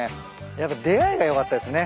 やっぱ出会いが良かったですね